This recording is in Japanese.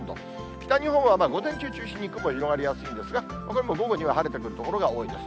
北日本は午前中中心に雲広がりやすいんですが、午後には晴れてくる所が多いです。